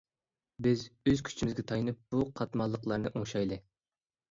بىز ئۆز كۈچىمىزگە تايىنىپ بۇ قاتماللىقلارنى ئوڭشايلى.